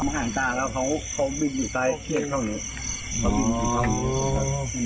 มหาดตาแล้วเขาบินอยู่ใต้เข้าหนึ่ง